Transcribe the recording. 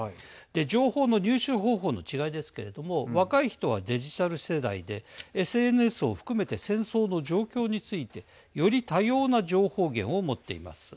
情報の入手方法の違いですけれども若い人はデジタル世代でＳＮＳを含めて戦争の状況についてより多様な情報源を持っています。